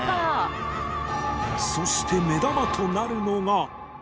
そして目玉となるのが